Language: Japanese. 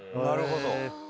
なるほど。